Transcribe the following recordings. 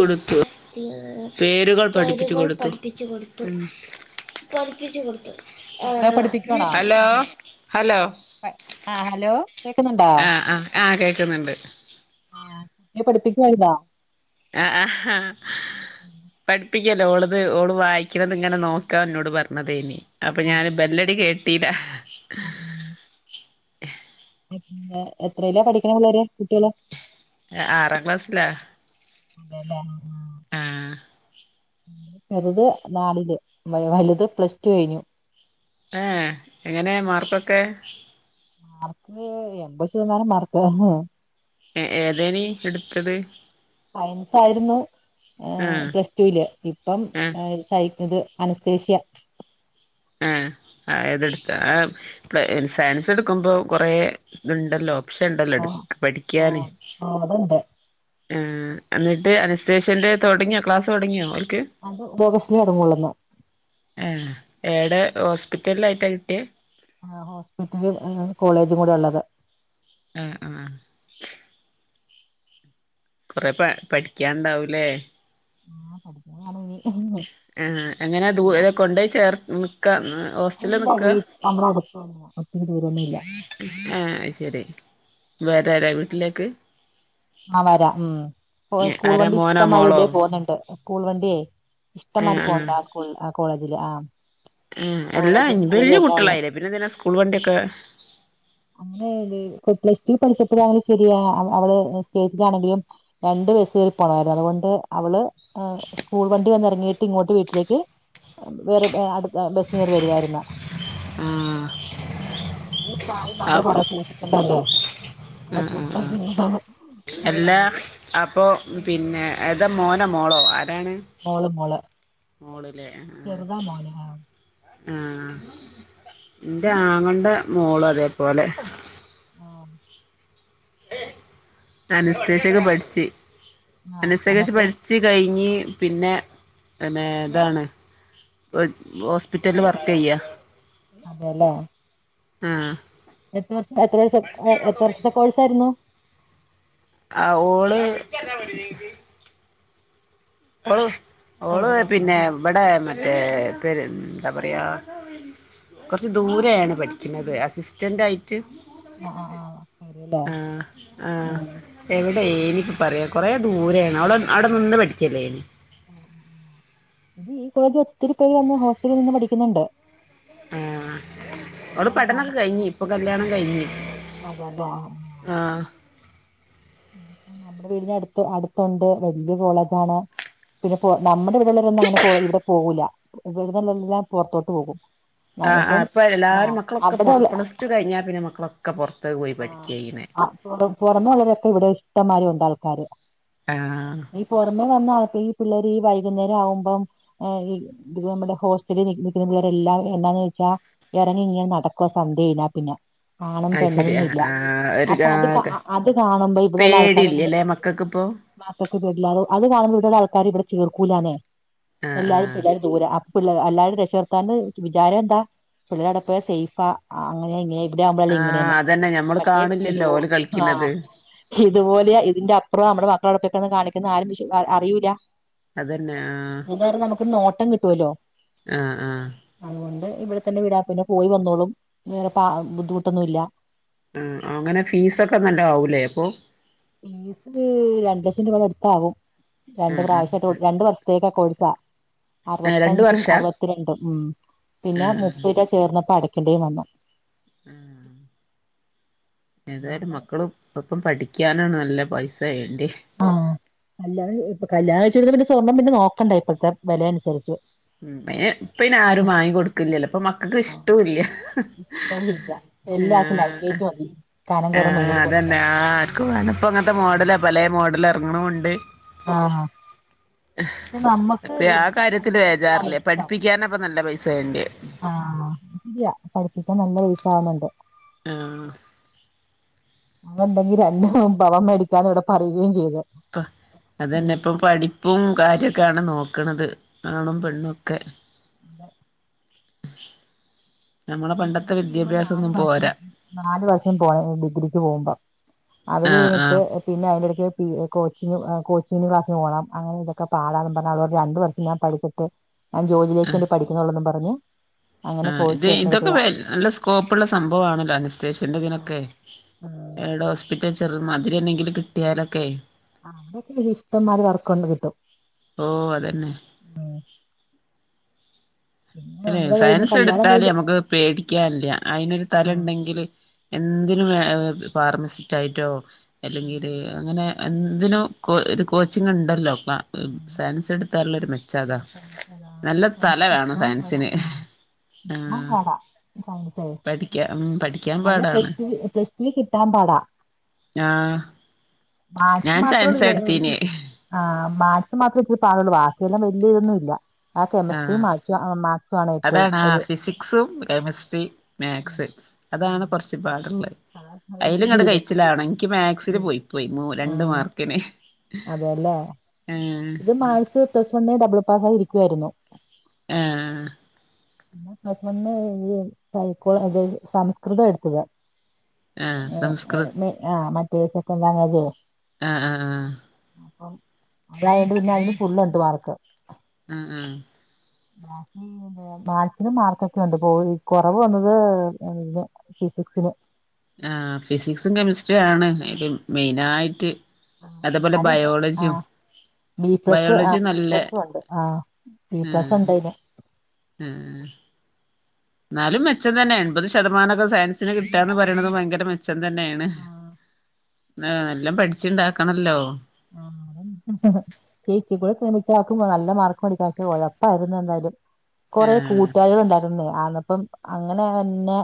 ടുത്തു പേരുകൾ പഠിപ്പിച്ചു കൊടുത്തു പഠിപ്പിച്ചു കൊടുത്തു കുട്ടികളെ പഠിപ്പിക്കുവാണോ ഹലോ ഹലോ ആ ഹലോ കേക്കുന്നുണ്ടോ ആ ആ ആ കേക്കുന്നുണ്ട് ആ പഠിപ്പിക്കായിരുന്നോ ആ ആ പഠി പ്പിക്കല്ല ഓളത് ഓള് വായിക്കുന്നത് ഇങ്ങനെ നോക്കാ എന്നോട് പറഞ്ഞതേനി അപ്പൊ ആ, ഞാൻ ബെല്ലടി കേട്ട് [unintelligible] [unintelligible] എത്രേല പഠിക്കണ് പിള്ളേര് കുട്ടേള് ആറാം ക്ലാസ്സിലാ അതേലേ ആ ചെറുത് നാലില് വലുത് പ്ലസ്ടു കയിഞ്ഞു ഏ എങ്ങനെ മാർക്കൊക്കെ മാർക്ക് എമ്പത് ശതമാനം മാർക്ക് ഏ ഏതേനി എടുത്തത് സയൻസ് ആയിരുന്നു ആ പ്ലസ്ടൂല് ഇപ്പം ആ ടൈപ്പു ഇത് അനസ്തേഷ്യ ആ അതടുത്ത് സയൻസ് എടുക്കുമ്പോ കൊറെ ഇതുണ്ടല്ലോ ഓപ്‌ഷൻ ഇണ്ടല്ലോ ആ ആ പഠിക്കാന് ആ അതുണ്ട് ആ എന്നിട്ട് അനസ്തേഷ്യന്റെ തൊടങ്ങിയോ ക്ലാസ് തൊടങ്ങിയോ ഓൽക്ക് അത് ഓഗസ്റ്റില് തൊടങ്ങൊള്ളോന്ന് ടെ ഹോസ്പിറ്റലായിട്ടാ കിട്ടിയെ ആ ഹോസ്പിറ്റല് കോളേജും കൂടി ഉള്ളത് ആ ആ കൊറെ പ പഠിക്കാണ്ടാവൂലേ ആ പഠിക്ക [unintelligible] ആ എങ്ങനെ ദൂര കൊണ്ടോയി ചേർ ഹോസ്റ്റലിൽ അല്ല നിക്ക വീട് നമ്മളെ അടുത്തന്ന ഒത്തിരി ദൂരൊന്നുല്ല ആ ശരി വേറാരാ വീട്ടിലേക്ക് ആ വരാം ഉം സ്കൂൾ ആരാ വണ്ടി മോനോ ഇഷ്ടംമാതിരി മോളോ ഇതിലെ പോന്നുണ്ട് സ്കൂൾ വണ്ടിയേ ഇഷ്ട ആഹ് മാരി പോണ്ട് ആ സ്കൂൾ ആ കോളേജില് ആ ആ എല്ലാ കോളേജും സ്കൂളും വല്യ എല്ലാം ഉള്ള കുട്ടികളായില്ലേ പിന്നെ എന്തിനാ സ്കൂൾ വണ്ടിയൊക്കെ അങ്ങനെ പ്ലസ് ടു പഠിച്ചപ്പോഴ അങ്ങനെ ശരിയ അവള് സ്റ്റേജിലാണെങ്കിലും പോരുന്നു അതുകൊണ്ട് അവള് സ്കൂൾ വണ്ടി വന്നിറങ്ങി ട്ട് ഇങ്ങോട്ട് വീട്ടിലേക്ക് വേറെ അടുത്ത ബസ്സുകർ വരുവായിരുന്ന ആ ഈ പ്രായം നമ്മൾ കുറെ സൂക്ഷിക്കണ്ടല്ലേ ഉ നമ്മള് സൂക്ഷിച്ചാ ഉ പിന്നെ എല്ലാ അപ്പൊ പിന്നെ ഏതാ മോന മോളോ എതാണ് മോള് മോള് മോളിലെ ചെറുതാ മോന് ആ ആഹ എന്റെ ആങ്ങന്റെ മോള അതേപോലെ ആ അനസ്തേഷെകൊ പഠിച്ച ആഹ് അനസകേഷ എന്നിട്ട് പഠിച്ചു കഴിഞ് പിന്നെ ന്നെ ഇതാണ് ഹോസ്പിറ്റലില് വർക്ക് ചെയ്യ അതെല്ലേ ആഹ എത്ര വർഷ എത്ര വർം എത്ര വർഷത്തെ കോഴ്സ് ആയിരുന്നു ആ ഓള് [unintelligible] [unintelligible] ഓള് പിന്നെ ഇവിടെ മറ്റേ എന്താ പറയാ കുറച്ചു ദൂര ആണ് പഠിക്കുന്നത് അസിസ്റ്റന്റ് ആയിട്ട് ആഹ് ആഹ് ആഹ് ശരിയല്ലേ ആഹ ആഹ ഉം എവിടെ എനി പറയാ കൊറേ ദൂരെയാണ് അവടെ അവിടെ നിന്ന് പഠിച്ചല്ലേ എനി ഇത് ഈ കോളേജ് ഒത്തിത്തിരി പോയി അന്ന ഹോസ്റ്റലിൽ നിന്ന് പഠിക്കുന്നുണ്ട് ആഹ അവടെ അപ്പം പെടന്നൊക്കെ കഴിഞ്ഞി ഇപ്പൊ കല്യാണം കഴിഞ്ഞു അതെ അതെ നമ്മുടെ വീടി അടുത്ത് അടുത്തുണ്ട് വല്യ കോളതാണ് പിന്നെ പോ നമ്മുടെ ഇവിടെള്ളൊന്നും അങ്ങനെ പോ ഇവിടെ പോകൂല്ല ഇവിടുള്ളല്ലാം പുറത്തോട്ട് പോകും ആ, ആഹ ആ് ഇപ്പം ഇപ്പ എല്ലാരും ആഹ് മക്കളൊക്കെറ അവിടെള്ള പ്ലസ് ടു കഴിഞ്ഞാ പിന്നെ മക്കളൊക്കെ പൊറത്ത് ആ ആറ പുറമെ വളരൊക്കെ ഇവിടെ ഇഷ്ടമാര ഉണ്ട് ആൾക്കാര് ആഹ ഈ പുറമെ വന്ന ഈ പിള്ളേർ ഈ വൈകുന്നേരം ആവുമ്പം ഇ നമ്മുടെ ഹോസ്റ്റലിൽുന്നള്ളേരെല്ല എന്താന്ന് ചോച്ചാൽ ഇറങ്ങി ഇങ്ങനെ നടക്കുവ സന്ധ്യയില്ല പിന്നെ ആണും അത് പെണ്ണും ശരി ആഹ് ആഹ് അപ്പൊ അത് കാ ഒരു അത് കാണുമ്പോ ഇവിടെള്ള ആൾക്കാരൊന്ന് പേടിയില്ലല്ലേ മക്കൾക്കിപ്പോ മാത്തൊക്കൊ അത് കാണാൻടു ആൾക്കാർ [unintelligible] ആഹ് ആഹ് അല്ലാരും രക്ഷകർത്താ വിചാരം എന്താ പുള്ളിലട സേഫ അങ്ങനെങ്ങന ആഹ അതന്നെ ഞമ്മള് കാണില്ലല്ലോ [unintelligible] ഓല് കളിക്കുന്നത് ഇപോലെ ഇതിൻ്റപ്പ്റം നമ്മ മക്കളോടൊപ്പൊക്ക കാണിക്കുന്ന ആരും അറിയിൂല്ല അതന്നെ ആഹ് ഇത നമുക്ക് നോട്ടം കിട്ടുവല്ലോ ആഹ് ആഹ് അതുകൊണ്ട് ഇവിടെ തന്നെ വിടാ പിന്നെ പോയി വന്നോളും വേറെ പ ബുദ്ധിമുട്ടൊന്നുംല്ല ആ അങ്ങനെ ഫീസ ഒക്കെ നല്ല ആവലേ അപ്പൊ ഫീസ് രണ്ട ലക്ഷം രൂപയുടെ അടുത്താാവും രണ്ട് ആഹ് ആഹ് പ്രാവശ്യമായിട്ട രണ്ട് വർഷ ത്തേക്ക കൊഴിസ ആഹ് രണ്ട് അറുപത്തഞ്ചും വർഷാ അറുപത്തിരണ്ടും ഉ പിന്നെ ആഹ് മുപ്പര ചേർന്നപ്പോ അടക്ക ണ്ട വന്ന ഉം ഏതായാലും നമ്മള് മക്കളും ഇപ്പം പഠിക്കാനാണ് നല്ല പൈസയെ ആഹ് കല്യാണം കല്ലിയാണം കഴിചോര് സ്വർണ്ണം പിന്നെ നോക്ക ഉ പിെ ഇപ്പന്നെ ആരും വാങ്ങി കൊടുക്കല്ലല്ലോ ഇപ്പൊ മക്കൾക്ക് ഇഷ്ടവല്ല എല്ലാർക്കു ലൈറ്റ് വൈറ്റ് മതി കനം കുറേ ആഹ നൂല് പോലത്തെ അതന്നെ ആ ആർക്ക് വേണ ഇപ്പ അങ്ങനത്തെ മോഡല പല മോഡൽ ഇറങ്ങണുണ്ട് ആഹ നമ്മക്ക് ഇപ്പ ആ കാര്യത്തില് ബേജാറില്ല ഇഷ്ട പഠിപ്പിക്കാനാപ്പ നല്ല പൈസ വേണ്ടിയെ ആ ശരിയാ പഠിപ്പിക്കാൻ നല്ല വീസ ആവുന്നുണ്ട് ആ അങ്ങ ണ്ടെങ്കിൽന്നെ ഭവം മേടിക്കാൻ ഇവിടെ പറയുകയും ചെയ്ത ഇപ്പ അത്ന്നെ ഇപ്പം പഠിപ്പും കാര്യൊക്കെയാണ് നോക്കണത് ആണും ആഹ് പെണ്ണുംഒക്കെ അതെ നമ്മളെ പണ്ടത്തെ ഡിഗ്രിക്ക് വിടുമ്പോ നാ വിദ്യാഭ്യാസൊന്നും വർഷം പോരാ നാലു വർഷം പോയ ഡിഗ്രിക്ക് പോകുമ്പോ അത് ആഹ് കഴിഞ്ഞിട്ട് ആഹ് പിന്നെ അതിന്റെടക്ക് പി കോച്ചിങ് കോച്ചി ശീനി ക്ലസിന് പ്പോണം അങ്ങനെ ന്തൊക്കെപ്പടാ ന്നും പറഞ്ഞാ രണ്ടു വർം ഞാൻ പിച്ചട്ട് ഞാൻ ജോലിയിലേക്ക് ആഹ് വേണ്ടി പഠിക്കുന്നള്ളെന്നും പറഞ്ഞു അങ്ങനെ ആഹ് കോഴ് ഇത് ഇതൊക്കെ നല്ല സ്കോപ്പള്ള സംഭവണല്ലോ അനസ്തേഷന്റെ ഇതിനൊക്കെടെ ഉം ഹോസ്പിറ്റ മെ ചെറു മതിരി എന്തെങ്കിൽ കിട്ടിയാലൊക്കെ ആ അവിടെൊക്കെ ഇഷ്ടംമാര് വർക്കൊണ്ട് കിട്ടും ഓഹ് അതന്നെ ഉ അല്ലെ കയ്യിന്ന് സയൻസ് കല്യാണം എടുത്താല് കഴിഞ്ഞ് നമുക്ക് പേടിക്കാനില്ല അതിനനൊരു തല ആഹ് ണ്ടെങ്കില് എന്തിനും ഫാർമസിസ്റ്റ് ആയിട്ടോ ഉം അല്ലെങ്കിൽ അങ്ങനെ എന്തിനോ കോ ഒരു കോച്ചിങ് ഉണ്ടല്ലോ ഉം സയൻസ് എടുത്താലുള്ള ഒരു മെച്ചാതാ ആഹ് സയൻസ് അതാ നല്ല തല വേണ സയൻസിന് ആഹ് [unintelligible] സൈൻസ് പഠിക്കാ ഉം പഠിക്കാൻ നല്ല പാടാണ് പ്ലസ് പ്ലസ് വി കിട്ടാൻ പാടാ ആ മാശ മാത്ര ഉള്ള ആ മാശ മാത്രം രി പാടുള്ളൂ ബാക്കിയെല്ലാം വലിയതന്നും ഇല്ല ആ കെമിസ്ട്രിയും ആഹ് മാ മാത്സു ആണ് ഏറ്റവും അതാണ് ആ ഒരു ഫിസിക്സും കെമിസ്ട്രി ഉം, മാത്സിക്സ് ഉം. അതാണ് കുറച്ച് പാടുള്ളത് അതാ അയലും സയൻസിന്റെ ഇങ്ങടെ ഇതും കഴിച്ചിലണം എനിക്ക് മാത്സിില് ഉം. പോയി പോയി മ ആ രണ്ടു മാർക്കിന് അതെല്ലേ ഏഹ് ഇത് മാഴസ് പ്ലസ് വന്ന് ഡബിൾ പാസ് ആയി ഇരിക്കുവായിരുന്നു ആ പിന്നെ പ്രസമന്ന് കൈക്കോള അത സംസ്കൃതം എടുത്തുക ആഹ് സംസ്കൃ ആ മറ്റേ സെക്കൻ ലങ്ങേജോ ആഹ് ആഹ് ആഹ് അപ്പം അതായണ്ട് പിന്നെ അതിന് ഫള്ണ്ട് വർക്ക് ആഹ് ആഹ് ബാക്കി മാസിനും മാർക്കൊക്കെ ഉണ്ട് പോഈ കുറവ് വന്നത് ഫി സിക്സിൽ ആ ഫിസിക്സും കെമിസ്ട്രിയ ആണ് ഇ മെയിന ആായിട്ട് അതേപോലെ ബയോളജിയും ബിപ്ലസ് ആ ബയോളജി നല്ല ബിപ്ലസ ഉണ്ട് ആ ബിപ്ലസ ഉണ്ട് അന് ഉം എന്നാലും മെച്ചം തന്നെ എൺപത് ശതമാനൊക്കെ സയൻസിന് കിട്ടാന്ന് പറയണത് ഭയങ്കര മെ ച്ചം തന്നെയാണ്. ആ, നല്ലം പഠിച്ച്ണ്ടാക്കണല്ലോ ആ ചേച്ചി കൂടെ ശ്രമിച്ചാക്കുമ്പോ നല്ല മാർക്ക് മേടിക്കാ പക്ഷെ ഒഴപ്പായിരുന്നു എന്തായാലും. കൊറേ ആഹ് കൂട്ടുകാരികൾ ഉണ്ടായിരുന്നേ അന്നപ്പം അങ്ങനെ തന്നെ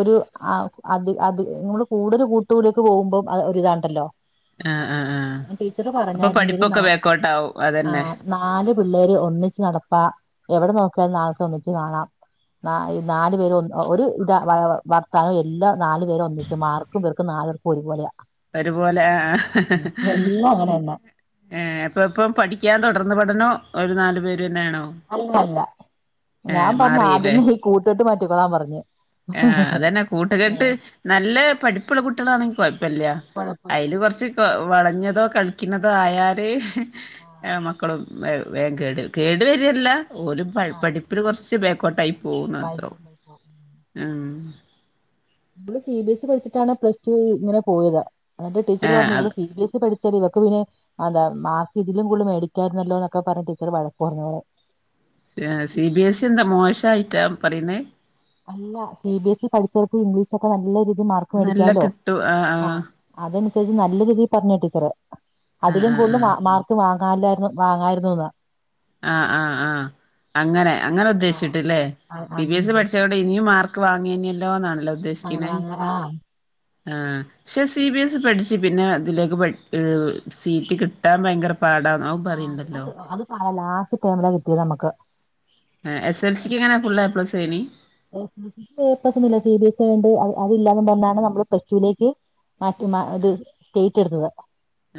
ഒരു ആ അത് അത് നിങ്ങള് കൂടുതല് കൂട്ടുകൂടലേക്ക് പോകുമ്പം ഒരിതാണ്ടല്ലോ ആ ആ ആ ടീച്ചറ് പറഞ്ഞായിരുന്നു ഇവര് നാ ബേക്കോട്ടാവും ആ അതന്നെ നാല് പിള്ളേര് ഒന്നിച്ച് നടപ്പാ എവിടെ നോക്കിയാലും നാൽക്ക് ഒന്നിച്ച് കാണാം നാല് പേര് ഒരു ഇതാ വർത്താനം എല്ലാം നാല് പേര് ഒന്നിച്ച് മാർക്കും ഇവർക്ക് നാ ർക്കു ഒരുപോലെയാ ഒരുപോലെ ആ ആ എല്ലാം അങ്ങനെ തന്നെ ഏഹ് അപ്പ ഇപ്പ പഠിക്കാൻ തുടർന്ന് പഠനോ ഓര് നാല് പേ ന്നയാണോ അല്ല അല്ല ഞാൻ പറഞ്ഞാദ്യമേ ഈ കൂട്ടുകെട്ട് മാറ്റിക്കോളാൻ പറഞ്ഞ് ആ അതന്നെ കൂട്ടുകെട്ട് ഏഹ് നല്ല പഠിപ്പുള്ള കുട്ടികളാണെങ്കി കൊഴപ്പിൽ ല്ല കൊഴപ്പമില്ല അയില് കൊറച്ച് വളഞ്ഞതോ കള് ക്കുന്നതോ ആയാല് ആഹ് മക്കളും വേ വേഗം കേട് വരും, കേട് വരിയല്ല ഓരും പ ആഹ് പഠിപ്പില് കൊറച്ച് ബേക്കോട്ടായി പോവൂന്ന് മാത്രേ ഉള്ളൂ. ആയിക്കോട്ടെ ഉം ഇവള് സി ബി എസ് ഇ പഠിച്ചിട്ടാണ് പ്ലസ് ടു ഇങ്ങനെ പോയത്. എന്നിട്ട് ടീച്ചറ് ആഹ് പറഞ്ഞ് ഇവള് അത് സി ബി എസ് ഇ പഠി ശരി ഇവക്ക് പിന്നെ എന്താ മാർക്ക് ഇതിലും കൂടുതല് മേടിക്കാരുന്നല്ലോ എന്നൊക്കെ പറഞ്ഞ് ടീച്ചറ് വഴക്കു പറഞ്ഞോളെ. ര് സി ബി എസ് ഇ എന്താ മോശായിട്ടാ പറയ്ന്നെ? അല്ല സി ബി എസ് ഇ പഠിച്ചവർക്ക് ഇംഗ്ലീഷ് ഒക്കെ നല്ല രീതി മാർക്ക് നല്ല മേടിക്കാലോ? കിട്ടും ആഹ് ആ അതനുസരിച്ച് നല്ല രീതി പറഞ്ഞയാ ടീച്ചറ്‌. ആഹ് അതിലും ആഹ് കൂടുതല് ആഹ് മാ മാർക്ക് വാങ്ങാനില്ലായിരുന്നു, വാങ്ങാരുന്നുന്ന്. ആ ആ ആ അങ്ങനെ. അങ്ങനെ ആ ഉദ്ദേശിച്ചിട്ട് ഇല്ലേ? ആ, സി ബി അങ്ങനെ എസ് ഇ പഠിച്ച കൊണ്ട് ഇനിയും മാർക്ക് വാങ്ങിയേനല്ലോ എന്നാണ്. അങ്ങനെ അങ്ങനേ ആ പക്ഷെ സി ബി എസ് ഇ പഠിച്ച് പിന്നെ ഇതിലേക്ക് പെ സീറ്റ് കിട്ടാൻ ഭയങ്കര പാടാ അവൻ അത് പറയണ്ടല്ലോ. അത് അത് ആ ലാസ്റ്റ് ടെമില കിട്ടിയത് നമ്മക്ക് എസ് എൽ സി ക്ക് എങ്ങനെയാ ഫുൾ എ പ്ലസ് ഏനി? എസ് എൽ സി ക്ക് എ പ്ലസ് ഒന്നുല്ല സി ബി എസ് ഇ ആയോണ്ട് അതില്ലാന്നും പറഞ്ഞാണ് നമ്മള് പ്ലസ് ടു ലേക്ക് മാറ്റി മാ ഇത് സ്റ്റേറ്റ് എട്ത്തത്.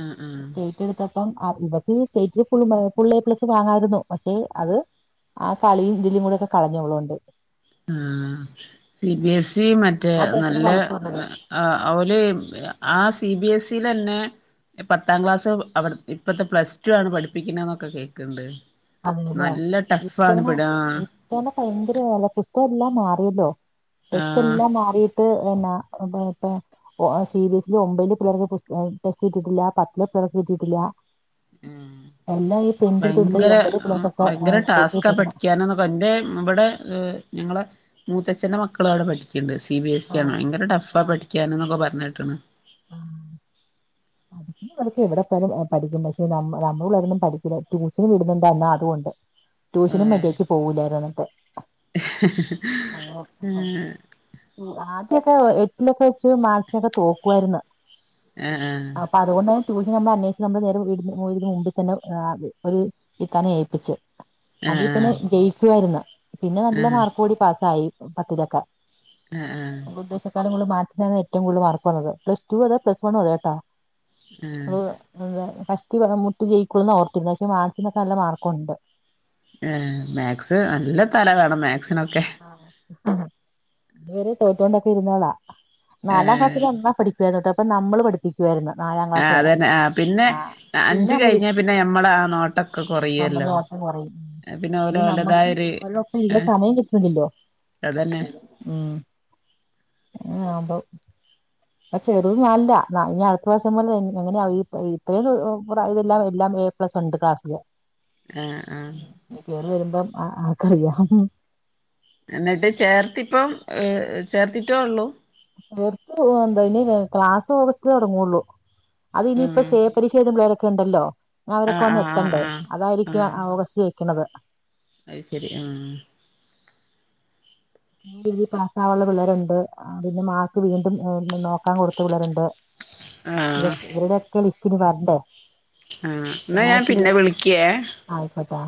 ആഹ് ആഹ് സ്റ്റേറ്റ് എട്ത്തപ്പം ആ ഇത് സ്റ്റേറ്റില് ഫുള്ള് ഫുൾ എ പ്ലസ് വാങ്ങായിരുന്നു. പക്ഷെ അത് ആ കളിയും ഇതിലും കൂടൊക്കെ കളഞ്ഞ് ഇവള്കൊണ്ടോയി ആ സി ബി എസ് സി മറ്റേ ആ ടീച്ചറും നല്ല വഴക്ക് പറഞ്ഞത് അവല് ആ സി ബി എസ് തിലന്നെ പത്താം ക്ലാസ് അവിടെ ഇപ്പത്തെ പ്ലസ് ടു ആണ് പഠിപ്പിക്കണേന്നൊക്കെ കേക്ക്ണ്ട്. അതിന്ല്ലേ ഇത്തവണ ഇത്തവണ ഭയങ്കരവാല്ലേ പുസ്ത ല്ലാം മാറിയല്ലോ ടെക്സ്റ്റ് ആഹ് എല്ലാം മാറി ട്ട് എന്നാ മറ്റേ ഓ സി ബി എസ് ഇ ഒമ്പയില് പിള്ളേർക്ക് പുസ് ഈഹ് ടെക്സ്റ്റ് കിട്ടീട്ടില്ല പത്തിലെ പി ക്ക് കിട്ടീട്ടില്ല. എല്ലാം ഈ പ്രിന്റ് എട്ത്ത് ഭയങ്കര കൊടുത്തെയ്യാ. ഭയങ്കര ടാസ്ക്കാ പഠിക്കാനെന്ന് എന്റെ ഇവിടെ ഞങ്ങളെ മൂത്തച്ചന്റെ മക്കള് അവിടെ പഠിക്ക്ണ്ട് സി ബി എസ് സി ആണ്. ആഹ് ഭയങ്കര ടഫ്ഫാ ആഹ് പഠിക്കാനെന്നൊക്കെ പറഞ്ഞ് അത് [unintelligible] എവിടെത്ത്യാലും പഠിക്കും പക്ഷേ ഞമ്മ ഞമ്മള പിള്ളേരൊന്നും പഠിക്കില്ല. ട്യൂഷന് വിടുന്നുണ്ടോ എന്നാ അതുവൊണ്ട് ട്യൂഷനും മര്യാക്ക് പോവൂലാറയാ അങ്ങനത്തെ ആ നൊക്കെ എട്ടിലൊക്കെ വെച്ച് മാത്സിനൊക്കെ തോക്കുവാരുന്നു. ആ ആ ട്യൂഷന് നമ്മൾ അന്വേഷിച് നമ്മൾ നേരെ വീടിനു നേരെ മുമ്പി തന്നെ ഒരു ഇത്താനെ ഏൽപ്പിച്ചു. അതിപ്പിന്നെ ആഹ് ജയിക്കുവാരുന്നു. പിന്നെ നല്ല ആഹ് മാർക്കോട്കൂടി പാസ്സായി പത്തിലൊക്കെ. ആഹ് ആഹ് ആഹ് ഉദ്ദേശിച്ചതിനേക്കാളും മാത്സിനാണ് ഏറ്റവും കൂടുതൽ മാർക്ക് വന്നത് പ്ലസ് ടു അത പ്ലസ് വണ്ണും അതേ കേട്ടോ. ആഹ് ഓ അതേ. കഷ്ടിച്ച് അല്ലേ മുട്ട് ജയിക്കുള്ളൂന്നാ ഓർത്തിരുന്നെ പക്ഷെ മാത്സിനൊക്കെ നല്ല മാർക്കൊണ്ട്. ഏ മാത്സ് നല്ല തല വേണം മാത്സിനൊക്കെ തുവരെ തോറ്റോണ്ടൊക്കെ ഇരുന്നാളാ, നാലാം ഏഹ് ക്ലാസ്സില് ഒന്നാ പഠിക്കുവരുന്ന് കേട്ടോ. അപ്പം നമ്മള് പഠിപ്പിക്കുവാരുന്നു. ആ അതന്നെ, ആ പിന്നെ പിന്നെ അഞ്ച് നമ്മള് കഴിഞ്ഞാ പിന്നെ ഞമ്മടെ ആ നോട്ടക്കെ നമ്മുടെ കൊറയ്യല്ലോ നോട്ടം കുറയും പിന്നെ ഓര് ഇത് വലതായ നമ്മക്കും ഒരു അവരോടൊപ്പം ആ ഇരിക്കാൻ സമയം കിട്ടുന്നില്ലല്ലോ അതന്നെ. ആ അമ്പ പ ചെറുത ഞല്ല ഇനി അടുത്ത വസം പോലെ എങ്ങനെയ ഇപ്പഴ ഇതെല്ലാം എല്ലാം പ്ലസ് രണ്ട് ക്ലാസില്ര് ആഹ് ആഹ് വരുമ്പം ആക്കറിയാം എന്നിട്ട് ചേർത്തിപ്പം ഏർ ചേർത്തിട്ടേ ഉള്ളു ചേർത്ത് എന്താ ഇന് ക്ലാസ് സ് തുടങ്ങുള്ളു അത് ഇനിയിപ്പോ ആഹ് സേ പരി ചെയയത പിള്ളേരൊക്കെ ഉണ്ടല്ലോ ഞാൻ ആഹ് അവരൊക്കെ വന്ന് ആഹ് ആഹ് എത്തണ്ടേ ആഹ് അതായിരിക്കും ആഹ് ഓഗസ്റ്റിലേക്ക് കന്നത് അത് ശരി ആ രീതിൽ പാസാവള്ള പിള്ളരുണ്ട് പിന്നെ മാക്ക് വീണ്ടും നോക്ക വക്കാൻ കൊടുത്ത വിളറണ്ട് ഇതൊെ ആഹ് ഇവരുടെ ഒക്കെ ലിസ്റ്റിന് വരണ്ടേ ആ എന്നാ ഞാൻ പിന്നെ വിളിക്കേ ആയിക്കോട്ടെ